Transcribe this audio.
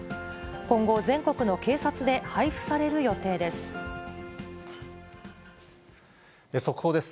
今後、全国の警察で配布される予速報です。